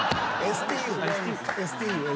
ＳＴＵか。